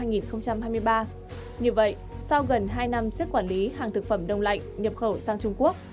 như vậy sau gần hai năm siết quản lý hàng thực phẩm đông lạnh nhập khẩu sang trung quốc